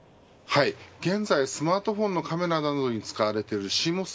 現在、スマートフォンのカメラなどに使われているＣＭＯＳ